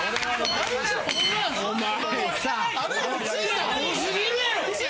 アホすぎるやろ！